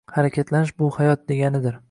Harakatlanish — bu hayot deganidir.